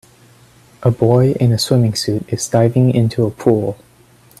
A boy in a swimming suit is diving into a pool